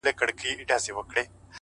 زمـا مــاسوم زړه ـ